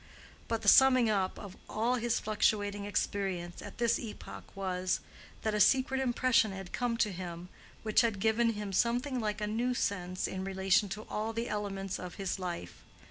But the summing up of all his fluctuating experience at this epoch was, that a secret impression had come to him which had given him something like a new sense in relation to all the elements of his life.